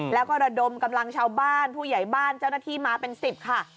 แล้วก็ระดมกำลังชาวบ้านผู้ใหญ่บ้านเจ้าหน้าที่มาเป็น๑๐ค่ะ